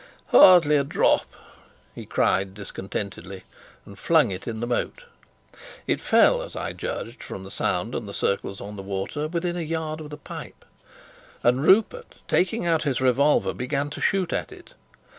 "Hardly a drop!" he cried discontentedly, and flung it in the moat. It fell, as I judged from the sound and the circles on the water, within a yard of the pipe. And Rupert, taking out his revolver, began to shoot at it.